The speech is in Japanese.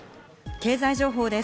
経済情報です。